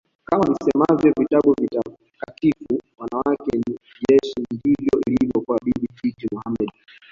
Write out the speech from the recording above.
Kama visemavyo vitabu vitakatifu wanawake ni jeshi ndivyo ilivyo kwa Bibi Titi Mohamed